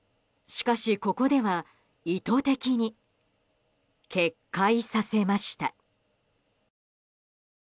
しかし、ここでは意図的に決壊させました。